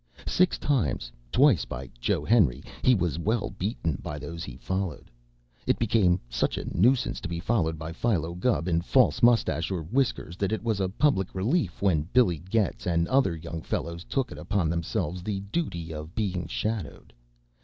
Six times twice by Joe Henry he was well beaten by those he followed. It became such a nuisance to be followed by Philo Gubb in false mustache or whiskers, that it was a public relief when Billy Getz and other young fellows took upon themselves the duty of being shadowed.